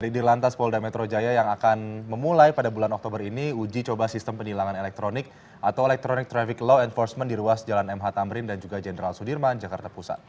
di lantas polda metro jaya yang akan memulai pada bulan oktober ini uji coba sistem penilangan elektronik atau electronic traffic law enforcement di ruas jalan mh tamrin dan juga jenderal sudirman jakarta pusat